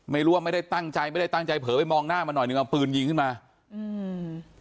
ไม่รู้ว่าไม่ได้ตั้งใจไม่ได้ตั้งใจเผลอไปมองหน้ามาหน่อยหนึ่งเอาปืนยิงขึ้นมาอืม